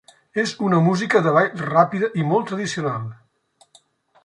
És una música de ball ràpida i molt tradicional.